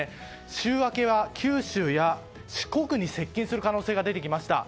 週明けは、九州や四国に接近する可能性が出てきました。